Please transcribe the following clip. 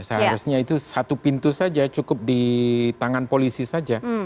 seharusnya itu satu pintu saja cukup di tangan polisi saja